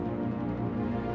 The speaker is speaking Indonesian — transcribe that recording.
saya ingin meminta sesuatu